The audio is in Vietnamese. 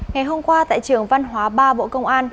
ngày hôm qua tại trường văn hóa ba bộ công an